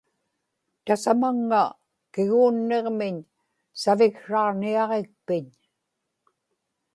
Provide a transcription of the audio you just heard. tasamaŋŋa kiguunniġmiñ saviksraġniaġikpiñ